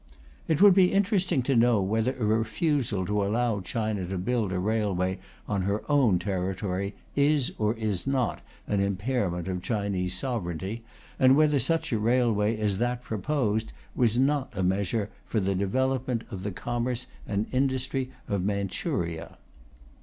"It would be interesting to know whether a refusal to allow China to build a railway on her own territory is or is not an impairment of Chinese sovereignty and whether such a railway as that proposed was not a measure for the 'development of the commerce and industry of Manchuria.'